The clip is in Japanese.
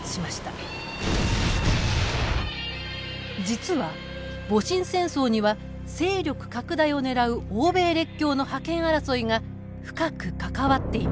実は戊辰戦争には勢力拡大をねらう欧米列強の覇権争いが深く関わっていました。